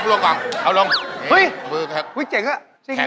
เรื่องเล่งไม่เป็นไง